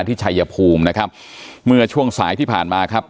ชัยภูมินะครับเมื่อช่วงสายที่ผ่านมาครับ